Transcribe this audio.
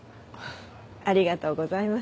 ありがとうございます。